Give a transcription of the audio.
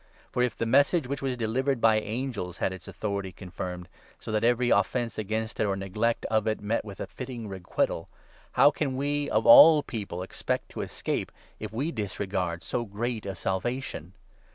For, if the Message 2 which was delivered by angels had its authority confirmed, so that every offence against it, or neglect of it, met with a fitting requital, how can we, of all people, expect to escape, if 3 we disregard so great a Salvation